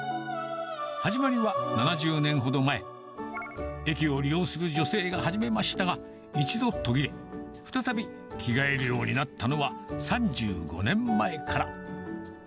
始まりは７０年ほど前、駅を利用する女性が始めましたが、一度途切れ、再び着替えるようになったのは、３５年前から。